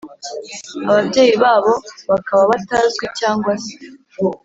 ababyeyi babo bakaba batazwi cyangwa se